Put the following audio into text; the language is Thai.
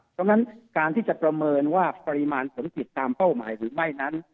เพราะฉะนั้นการที่จะประเมินว่าปริมาณผลผิดตามเป้าหมายหรือไม่นั้น